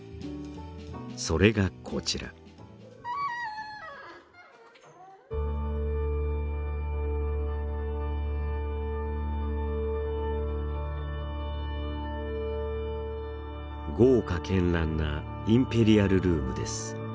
それがこちら豪華絢爛なインペリアルルームです